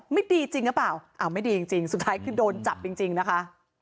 ไม่ดีจริงหรือเปล่าอ้าวไม่ดีจริงสุดท้ายคือโดนจับจริงนะคะ